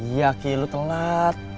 iya ki lu telat